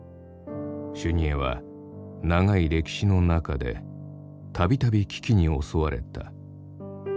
修二会は長い歴史の中で度々危機に襲われた。